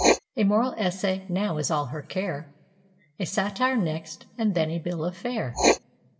A moral essay now is all her care,A satire next, and then a bill of fare.